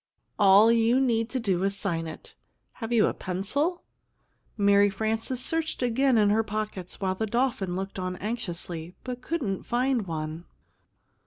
"All you need to do is to sign it. Have you a pencil?" Mary Frances searched again in her pockets, while the dolphin looked on anxiously, but couldn't find one.